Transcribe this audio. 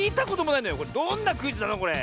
これどんなクイズなのこれ？